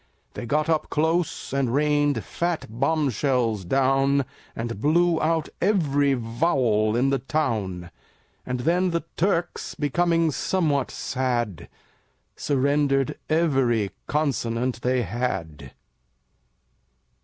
They got up close And rained fat bombshells down, And blew out every Vowel in the town. And then the Turks, Becoming somewhat sad, Surrendered every Consonant they had.